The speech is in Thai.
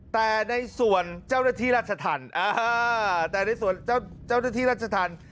แต่ในส่วนเจ้าหน้าที่รัชธรรมแต่ในส่วนเจ้าหน้าที่รัชธรรม